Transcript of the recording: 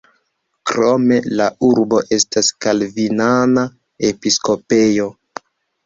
Krome la urbo estas kalvinana episkopejo.